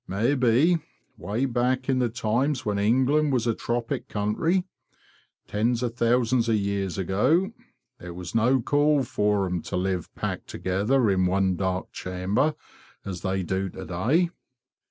Maybe, way back in the times when England was a tropic country, tens of thousands o' years ago, there was no call for them to live packed together in one dark chamber, as they do to day.